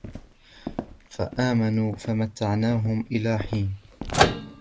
فآمنوا فمتعناهم إلى حين